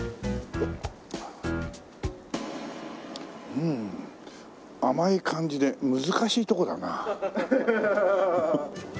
うーん甘い感じで難しいとこだなあ。